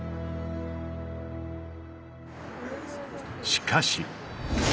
しかし。